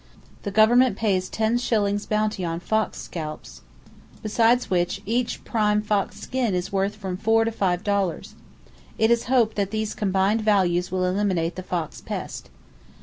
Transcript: The government pays ten shillings bounty on fox scalps, besides which each prime fox skin is worth from four to five dollars. It is hoped that these combined values will eliminate the fox pest.